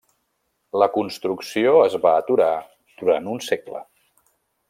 La construcció es va aturar durant un segle.